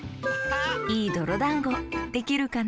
いいどろだんごできるかな？